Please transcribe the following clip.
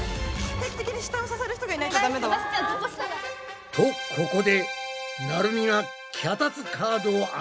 定期的に下を支える人がいないとダメだわ。とここでなるみが脚立カードをあげたぞ。